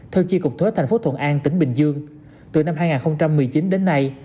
theo chi cục thuế thành phố thuận an tỉnh bình dương từ năm hai nghìn một mươi chín đến nay